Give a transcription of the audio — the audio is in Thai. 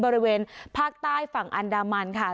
บริเวณภาคใต้ฝั่งอันดามันค่ะ